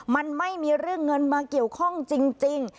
มันไม่มีเรื่องเงินมาเกี่ยวข้องจริง